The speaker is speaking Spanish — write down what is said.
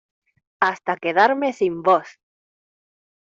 hasta quedarme sin voz.